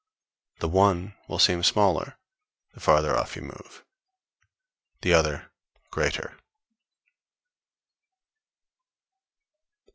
The one will seem smaller, the farther off you move; the other, greater.